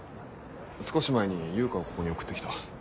少し前に悠香をここに送ってきた。